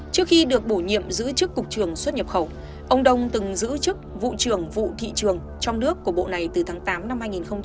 trước khi được bổ nhiệm giữ chức cục trưởng xuất nhập khẩu ông đông từng giữ chức vụ trưởng vụ thị trường trong nước của bộ này từ tháng tám năm hai nghìn một mươi chín